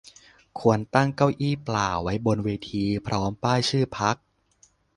ควรตั้งเก้าอี้เปล่าไว้บนเวทีพร้อมป้ายชื่อพรรค